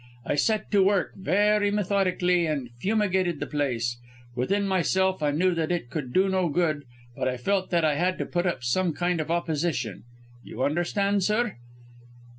I set to work, very methodically, and fumigated the place. Within myself I knew that it could do no good, but I felt that I had to put up some kind of opposition. You understand, sir?"